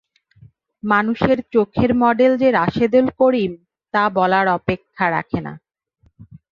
মানুষের চোখের মডেল যে রাশেদুল করিম তা বলার অপেক্ষা রাখে না।